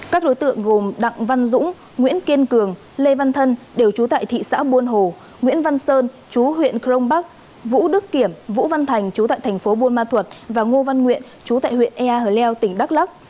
các đối tượng gồm đặng văn dũng nguyễn kiên cường lê văn thân đều trú tại thị xã buôn hồ nguyễn văn sơn chú huyện crong bắc vũ đức kiểm vũ văn thành chú tại thành phố buôn ma thuật và ngô văn nguyện chú tại huyện ea hờ leo tỉnh đắk lắc